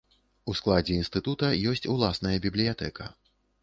У складзе інстытута ёсць ўласная бібліятэка.